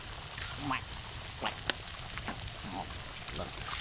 うまい！